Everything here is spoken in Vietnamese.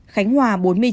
khánh hòa bốn mươi chín